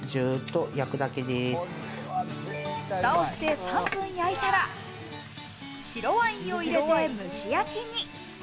蓋をして３分焼いたら、白ワインを入れて蒸し焼きに。